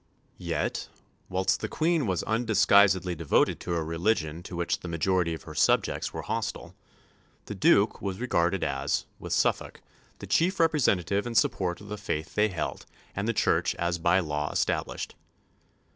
Yet, whilst the Queen was undisguisedly devoted to a religion to which the majority of her subjects were hostile, the Duke was regarded as, with Suffolk, the chief representative and support of the faith they held and the Church as by law established.